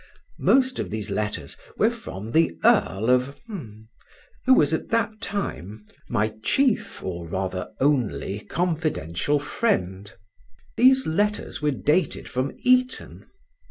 Most of these letters were from the Earl of ——, who was at that time my chief (or rather only) confidential friend. These letters were dated from Eton.